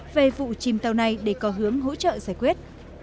về vụ chìm tàu này để có hướng hỗ trợ giải quyết